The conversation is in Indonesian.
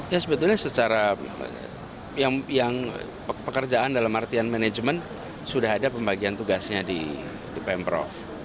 ya sebetulnya secara yang pekerjaan dalam artian manajemen sudah ada pembagian tugasnya di pemprov